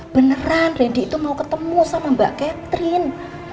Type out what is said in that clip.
beneran randy itu mau ketemu sama mbak catherine